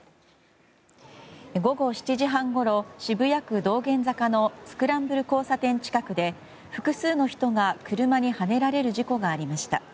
午後７時半ごろ、渋谷区道玄坂のスクランブル交差点近くで複数の人が車にはねられる事故がありました。